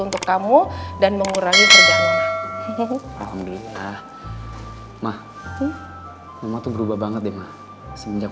untuk kamu dan mengurangi kerjaan mahmud mahmud mahmud berubah banget deh semenjak